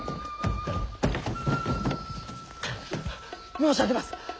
申し上げます。